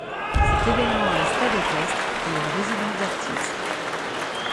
C'est également un stade équestre et une résidence d'artiste.